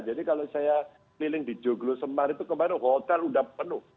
jadi kalau saya keliling di joglo semarang itu kemarin hotel sudah penuh